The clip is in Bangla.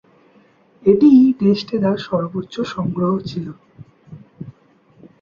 এটিই টেস্টে তার সর্বোচ্চ সংগ্রহ ছিল।